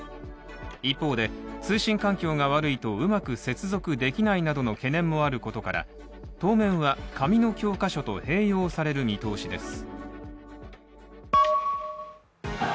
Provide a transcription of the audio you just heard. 一方で、通信環境が悪いとうまく接続できないなどの懸念もあることから、当面は紙の教科書と併用される見通しです。